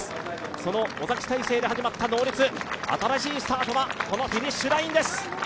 その小崎体制で始まったノーリツ、新しいスタートは、このフィニッシュラインです。